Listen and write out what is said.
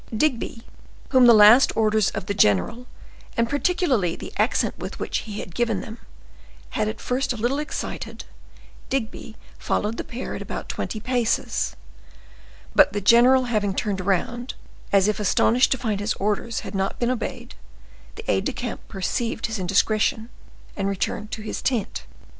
Digby, whom the last orders of the general, and particularly the accent with which he had given them, had at first a little excited, Digby followed the pair at about twenty paces, but the general having turned round as if astonished to find his orders had not been obeyed, the aid de camp perceived his indiscretion, and returned to his tent.